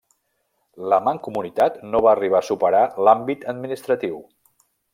La mancomunitat no va arribar a superar l'àmbit administratiu.